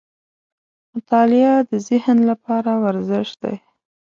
• مطالعه د ذهن لپاره ورزش دی.